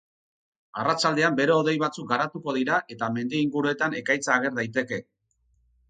Arratsaldean bero-hodei batzuk garatuko dira eta mendi inguruetan ekaitza ager daiteke.